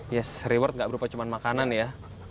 yes reward nggak berupa cuma makanan ya